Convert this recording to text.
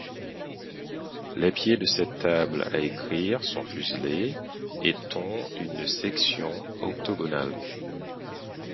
Les pieds de cette table à écrire sont fuselés et ont une section octogonale.